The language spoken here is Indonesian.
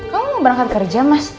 kamu mau berangkat kerja mas